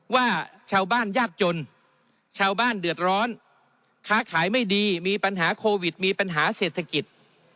ว่าชาวบ้านยากจนชาวบ้านเดือดร้อนค้าขายไม่ดีมีปัญหาโควิดมีปัญหาเศรษฐกิจ